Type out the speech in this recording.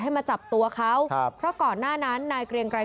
มาจับตัวเขาครับเพราะก่อนหน้านั้นนายเกรียงไกร